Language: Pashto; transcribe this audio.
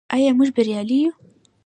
آیا موږ بریالي یو؟